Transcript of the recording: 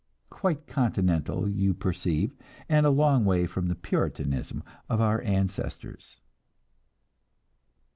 Quite "continental," you perceive; and a long way from the Puritanism of our ancestors!